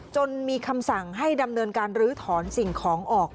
จนมีคำสั่งให้ดำเนินการลื้อถอนสิ่งของออก